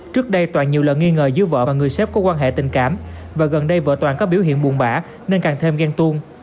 trước đây toàn nhiều lần nghi ngờ giữa vợ và người xếp có quan hệ tình cảm và gần đây vợ toàn có biểu hiện buồn bã nên càng thêm ghen tuôn